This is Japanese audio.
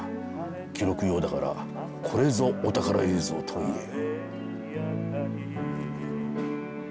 記録用だからこれぞお宝映像と言える。